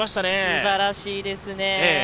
すばらしいですね。